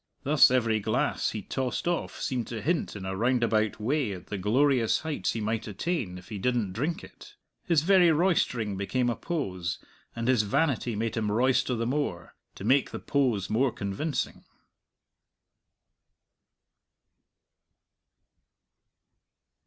Thus every glass he tossed off seemed to hint in a roundabout way at the glorious heights he might attain if he didn't drink it. His very roistering became a pose, and his vanity made him roister the more, to make the pose more convincing.